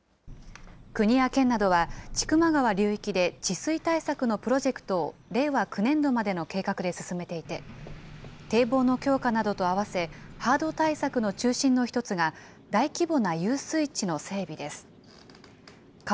国や県などは、千曲川流域で、治水対策のプロジェクトを令和９年度までの計画で進めていて、堤防の強化などと併せ、ハード対策の中心の一つが、大規模な遊水地の整備です。